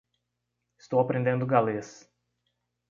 Estou aprendendo galês.